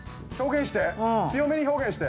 表現して！